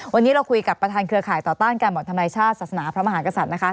วันนี้เราคุยกับประธานเครือข่ายต่อต้านการบ่อนทำนายชาติศาสนาพระมหากษัตริย์นะคะ